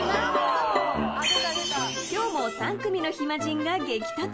今日も３組の暇人が激突！